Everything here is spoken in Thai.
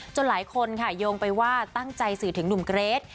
หลายคนค่ะโยงไปว่าตั้งใจสื่อถึงหนุ่มเกรท